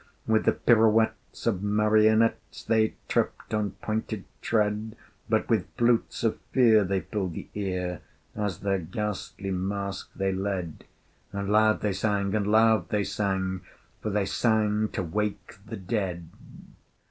With the pirouettes of marionettes, They tripped on pointed tread: But with flutes of Fear they filled the ear, As their grisly masque they led, And loud they sang, and loud they sang, For they sang to wake the dead.